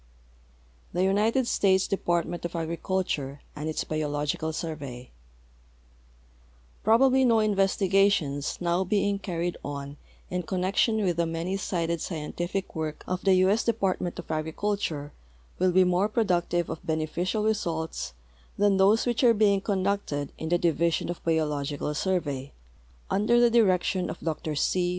THE UNITED STATES DEPARTMENT OF AGRICULTURE AND ITS BIOLOGICAL SURVEY Probably no investigations now being carried on in connec tion with the many sided scientific work of the U. S. DeiDartment of Agriculture Avill be more productive of beneficial results than those which are being conducted in the Division of Biological Surve}^, under the direction of Dr C.